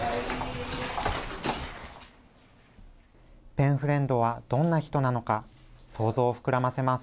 ペンフレンドはどんな人なのか想像を膨らませます